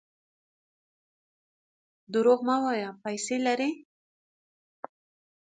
درواغ مه وایه ! پیسې لرې.